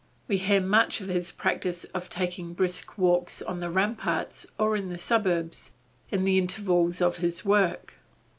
We hear much of his practice of taking brisk walks on the ramparts or in the suburbs, in the intervals of his work.